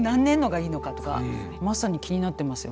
じゃあまさに気になってますよ